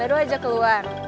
udah baru aja keluar